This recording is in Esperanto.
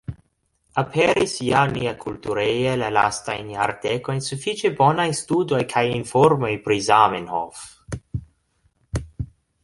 Aperis ja niakultureje la lastajn jardekojn sufiĉe bonaj studoj kaj informoj pri Zamenhof.